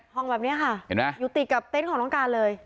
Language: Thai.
ห้องแบบเนี่ยค่ะอยู่ติดกับเต็นต์ของน้องการเลย